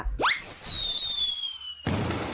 แบบ